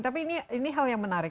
tapi ini hal yang menarik